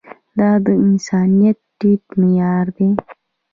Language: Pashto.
دا د انسانيت ټيټ معيار دی.